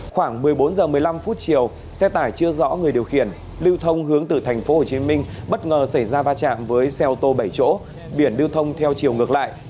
khoảng một mươi bốn h một mươi năm chiều xe tải chưa rõ người điều khiển lưu thông hướng từ tp hcm bất ngờ xảy ra va chạm với xe ô tô bảy chỗ biển lưu thông theo chiều ngược lại